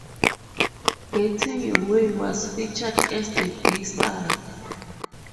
"Getting Your Way" was featured as the B-Side.